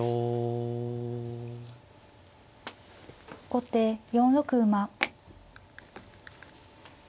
後手４六馬。